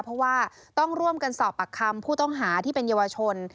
เพราะว่าต้องร่วมกันสอบปากคำผู้ต้องหาที่เป็นเยาวชน